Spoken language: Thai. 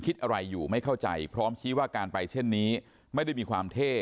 คิดอะไรอยู่ไม่เข้าใจพร้อมชี้ว่าการไปเช่นนี้ไม่ได้มีความเท่